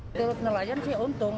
mitur nelayan sih untung